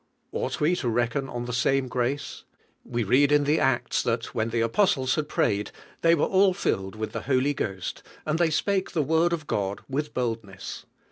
Ought we to reckon on the same grace? • We read in the Acta that when the apostles had prayed, "they were all filled with the Holy Ghost, and they spake Hie Word of God with boldness."